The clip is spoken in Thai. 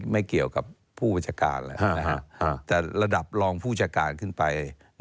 ไม่เกี่ยวกับผู้บัญชาการเลยนะถ้าระดับลองการผู้กันขึ้นไป